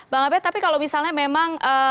bang abed tapi kalau misalnya memang